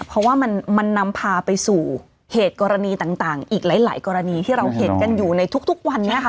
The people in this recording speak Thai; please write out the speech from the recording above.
เพราะว่ามันนำพาไปสู่เหตุกรณีต่างอีกหลายกรณีที่เราเห็นกันอยู่ในทุกวันนี้ค่ะ